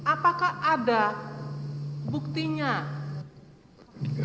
apakah ada buktinya